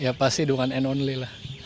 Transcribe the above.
ya pasti dengan and only lah